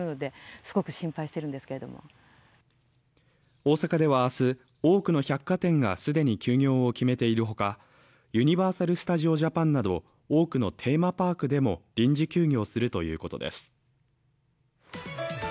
大阪では明日、多くの百貨店が既に休業を決めているほか、ユニバーサル・スタジオ・ジャパンなど多くのテーマパークでも臨時休業するということです。